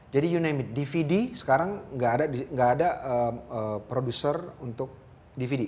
jadi kamu namakan dvd sekarang enggak ada produser untuk dvd